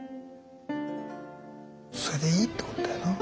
それでいいってことだよな。